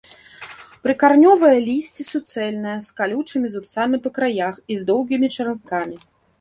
Прыкаранёвае лісце суцэльнае, з калючымі зубцамі па краях і з доўгімі чаранкамі.